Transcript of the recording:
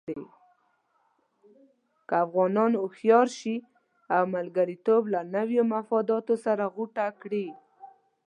که افغانان هوښیار شي او ملګرتوب له نویو مفاداتو سره غوټه کړي.